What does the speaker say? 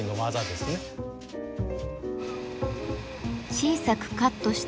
小さくカットした